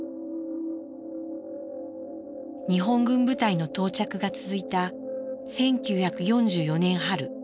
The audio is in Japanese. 日本軍部隊の到着が続いた１９４４年春。